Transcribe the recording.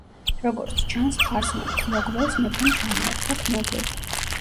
როგორც ჩანს, ფარსმან თმოგველს მეფემ ჩამოართვა თმოგვი.